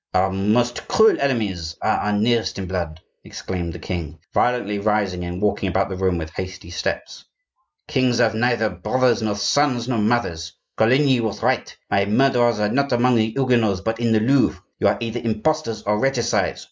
"Our most cruel enemies are our nearest in blood!" exclaimed the king, violently, rising and walking about the room with hasty steps. "Kings have neither brothers, nor sons, nor mothers. Coligny was right; my murderers are not among the Huguenots, but in the Louvre. You are either imposters or regicides!